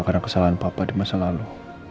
karena kesalahan papa di masa lalu